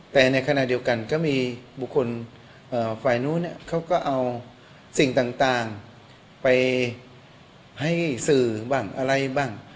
แต่ในขณะเดียวกันก็มีบุคคลฝ่ายนู้นเขาก็เอาสิ่งต่างไปให้สื่อบ้างอะไรบ้าง